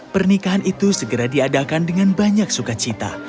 pernikahan itu segera diadakan dengan banyak sukacita